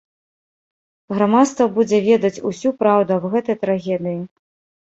Грамадства будзе ведаць усю праўду аб гэтай трагедыі.